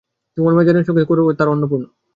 তোমার বোনঝির সঙ্গে যেমন করিয়া হউক, তার– অন্নপূর্ণা।